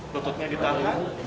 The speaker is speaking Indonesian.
lututnya di tangan